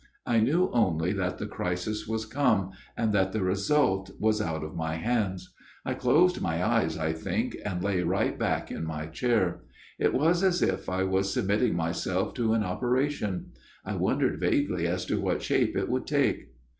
I knew only that the crisis was come, and that the result was out of my hands. I closed my eyes, I think, and lay right back in my chair. It was as if I was submitting myself to an operation ; I wondered vaguely as to what shape it would take.